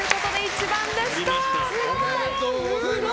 おめでとうございます。